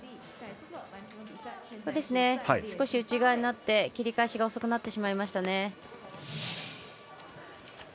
少し内側になって切り返しが遅くなってしまいました。